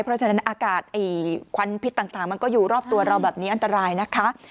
เพราะฉะนั้นอากาศควันพิษต่างมันก็อยู่รอบตัวเราแบบนี้อันตรายนะคะ